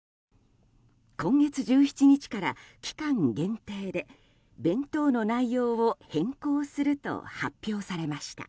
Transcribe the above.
今月１７日から期間限定で弁当の内容を変更すると発表されました。